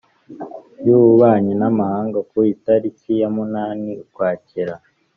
y'ububanyi n'amahanga ku itariki ya munani ukwakira